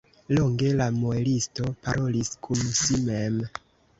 Longe la muelisto parolis kun si mem.